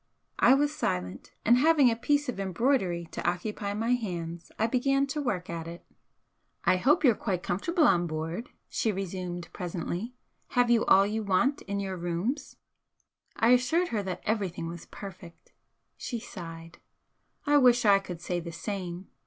I was silent, and having a piece of embroidery to occupy my hands I began to work at it. "I hope you're quite comfortable on board," she resumed, presently "Have you all you want in your rooms?" I assured her that everything was perfect. She sighed. "I wish I could say the same!"